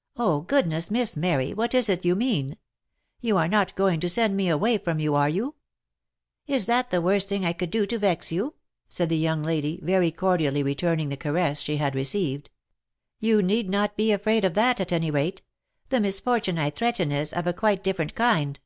" Oh ! goodness, Miss Mary, what is it you mean ? You are not going to send me away from you, are you ?"" Is that the worst thing I could do to vex you ?" said the young lady, very cordially returning the caress she had received; "you need not be afraid of that, at any rate. The misfortune I threaten is of quite a different kind."